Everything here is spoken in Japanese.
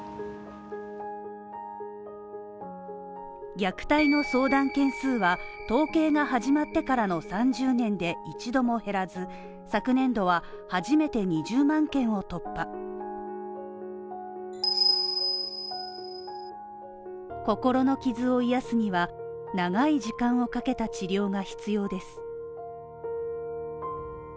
虐待の相談件数は、統計が始まってからの３０年で一度も減らず、昨年度は初めて２０万件を突破心の傷を癒すには長い時間をかけた治療が必要です。